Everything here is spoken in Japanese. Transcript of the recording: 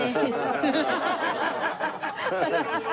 ハハハハ！